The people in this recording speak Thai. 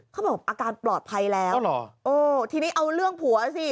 เขาบอกอาการปลอดภัยแล้วโอ้ทีนี้เอาเรื่องผัวสิ